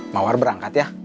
mawar berangkat ya